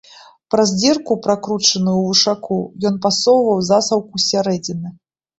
Праз дзірку, пракручаную ў вушаку, ён пасоўваў засаўку з сярэдзіны.